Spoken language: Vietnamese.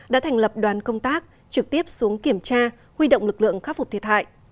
đã thành lập đoàn công tác trực tiếp xuống kiểm tra huy động lực lượng khắc phục thiệt hại